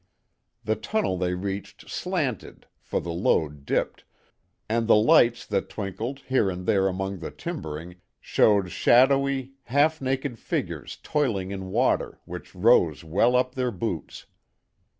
The tunnel they reached slanted, for the lode dipped, and the lights that twinkled here and there among the timbering showed shadowy, half naked figures toiling in water which rose well up their boots.